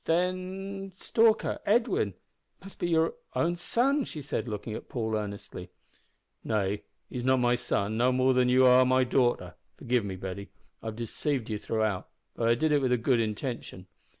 "Then Stalker Edwin must be your own son!" she said, looking at Paul earnestly. "Nay, he's not my son, no more than you are my daughter. Forgive me, Betty. I've deceived you throughout, but I did it with a good intention.